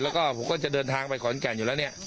แล้วก็ผมก็จะเดินทางไปขอนแก่นอยู่แล้วเนี่ย